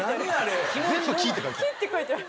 全部「キ」って書いてある。